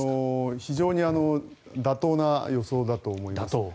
非常に妥当な予想だと思います。